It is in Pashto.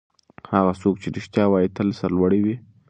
هغه څوک چې رښتیا وايي تل سرلوړی وي.